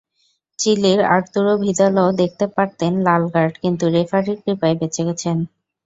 চিলির আর্তুরো ভিদালও দেখতে পারতেন লাল কার্ড, কিন্তু রেফারির কৃপায় বেঁচে গেছেন।